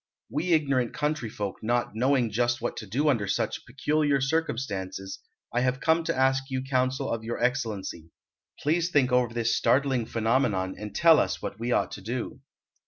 We ignorant country folk not knowing just what to do under such peculiar circumstances, I have come to ask counsel of your Excellency. Please think over this startling phenomenon and tell us what we ought to do."